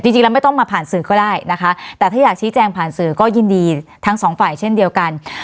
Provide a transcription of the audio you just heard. จริงแล้วไม่ต้องมาผ่านสื่อก็ได้นะคะแต่ถ้าอยากชี้แจงผ่านสื่อก็ยินดีทั้งสองฝ่ายเช่นเดียวกัน